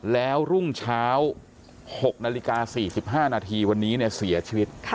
แล้วรุ่งเช้า๖นาฬิกา๔๕นาทีวันนี้เสียชีวิต